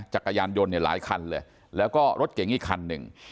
จักรยานยนต์เนี่ยหลายคันเลยแล้วก็รถเก๋งอีกคันหนึ่ง